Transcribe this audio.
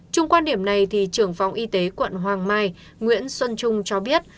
trung quan điểm này trưởng phòng y tế quận hoàng mai nguyễn xuân trung cho biết